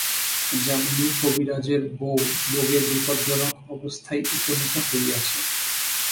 যামিনী করিবাজের বৌ রোগের বিপজ্জনক অবস্থায় উপনীত হইয়াছে।